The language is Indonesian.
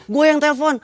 gua yang tellpon